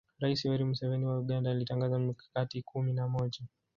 Rais Yoweri Museveni wa Uganda alitangaza mikakati kumi na moja